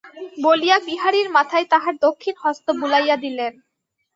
বলিয়া বিহারীর মাথায় তাঁহার দক্ষিণ হস্ত বুলাইয়া দিলেন।